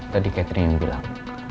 tadi catherine yang bilang